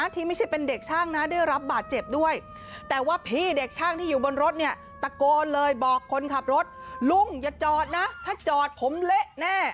ตะโกนเลยบอกคนขับรถลุงอย่าจอดนะถ้าจอดผมเละแน่